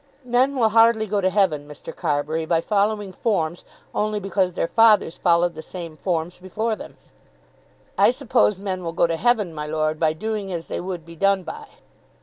Men will hardly go to heaven, Mr. Carbury, by following forms only because their fathers followed the same forms before them." "I suppose men will go to heaven, my Lord, by doing as they would be done by."